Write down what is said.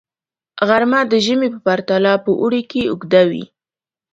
غرمه د ژمي په پرتله په اوړي کې اوږده وي